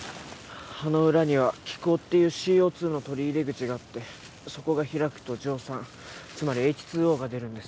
葉の裏には気孔っていうＣＯ２の取り入れ口があってそこが開くと蒸散つまりＨ２Ｏが出るんです